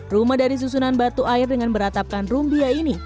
rumah dari susunan batu air dengan beratapkan rumbia ini